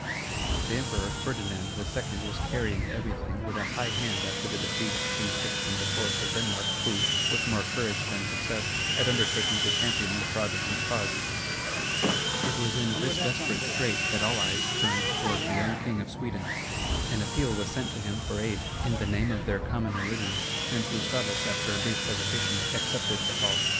The Emperor Ferdinand II. was carrying everything with a high hand after the defeat of King Christian IV. of Denmark, who, with more courage than success, had undertaken to champion the Protestant cause. It was in this desperate strait that all eyes turned toward the young King of Sweden. An appeal was sent to him for aid, in the name of their common religion; and Gustavus, after a brief hesitation, accepted the call.